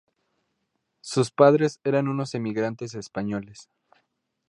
Sus padres eran unos emigrantes españoles.